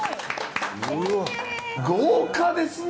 豪華ですね！